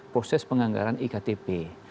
proses penganggaran iktp